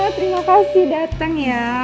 terima kasih datang ya